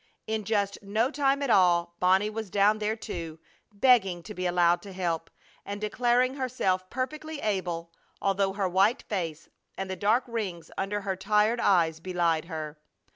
In just no time at all Bonnie was down there, too, begging to be allowed to help, and declaring herself perfectly able, although her white face and the dark rings under her tired eyes belied her.